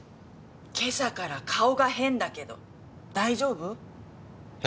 今朝から顔が変だけど大丈夫？へ？